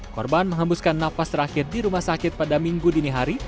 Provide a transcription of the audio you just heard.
korban menghembuskan napas terakhir di rumah sakit pada minggu dini hari